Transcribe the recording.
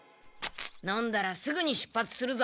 飲んだらすぐに出発するぞ。